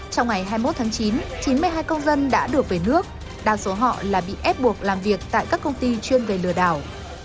trong ngày hai mươi một tháng chín chín mươi hai công dân đã được về nước đa số họ là bị ép buộc làm việc tại các công ty chuyên về lừa đảo